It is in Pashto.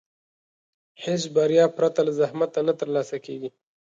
هېڅ بریا پرته له زحمت نه ترلاسه کېږي.